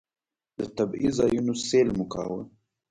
د طبعي ځایونو سیل مو کاوه.